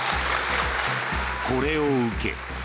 これを受け。